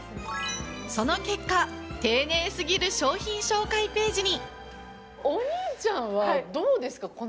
その結果、丁寧すぎる商品紹介ページに。